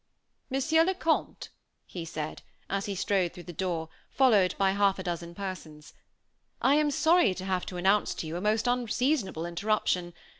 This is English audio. "Monsieur le Comte," he said, as he strode through the door, followed by half a dozen persons, "I am sorry to have to announce to you a most unseasonable interruption.